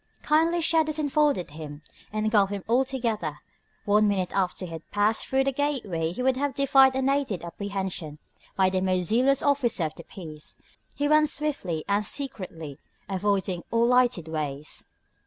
Kindly shadows enfolded him, engulfed him altogether. One minute after he had passed through the gateway he would have defied unaided apprehension by the most zealous officer of the peace. He went swiftly and secretly, avoiding all lighted ways.